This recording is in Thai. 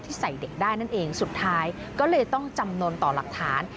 ใส่เด็กได้นั่นเองสุดท้ายก็เลยต้องจำนวนต่อหลักฐาน